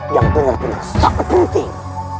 yang benar benar sangat penting